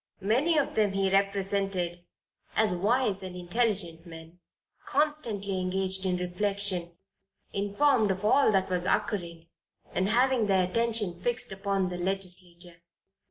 Many of them he represented as wise and intelligent men, constantly engaged in reflection, informed of all that was occurring, and having their attention fixed upon the Legislature."